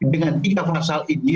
dengan tiga pasal ini